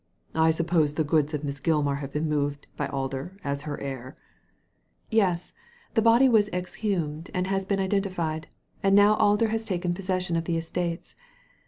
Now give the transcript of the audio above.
I suppose the goods of Miss Gilmar have been moved by Alder as her heir ?" ''Yesl The body was exhumed and has been identified, and now Alder has taken possession of the estates.